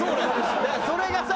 だからそれがさ。